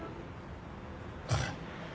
はい。